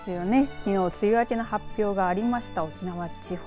きのう梅雨明けの発表がありました沖縄地方